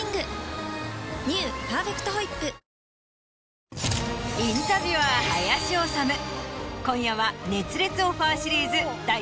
「パーフェクトホイップ」「インタビュアー林修」今夜は。